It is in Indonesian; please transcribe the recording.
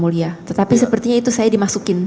mulia tetapi sepertinya itu saya dimasukin